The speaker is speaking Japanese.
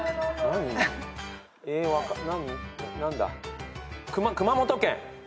何だ？